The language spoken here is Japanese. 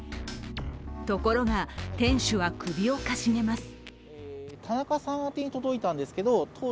ところが店主は首をかしげます。